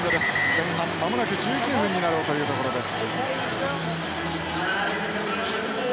前半まもなく１９分になろうというところです。